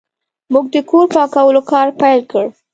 موږ د کور پاکولو کار پیل کړ.